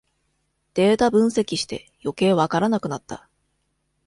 データ分析してよけいわからなくなった